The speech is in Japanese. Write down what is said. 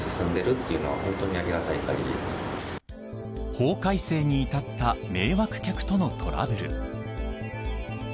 法改正に至った迷惑客とのトラブル。